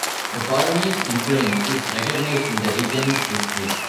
The Colony's influence is recognized in the region's history.